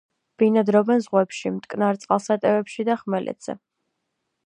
ბინადრობენ ზღვებში, მტკნარ წყალსატევებში და ხმელეთზე.